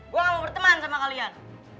gue gak mau berteman sama kalian